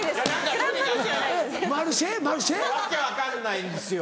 訳分かんないんですよ。